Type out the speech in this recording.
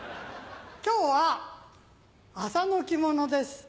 今日は麻の着物です。